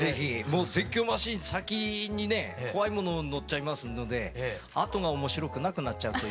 もう絶叫マシン先にね怖いもの乗っちゃいますのであとが面白くなくなっちゃうという。